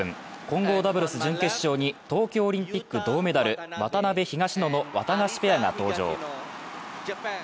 混合ダブルス準決勝に東京オリンピック銅メダル、渡辺・東野のワタガシペアが登場。